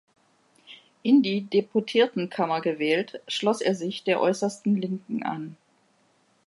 In die Deputiertenkammer gewählt, schloss er sich der äußersten Linken an.